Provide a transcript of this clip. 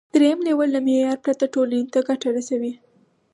دریم لیول له معیار پرته ټولنې ته ګټه رسوي.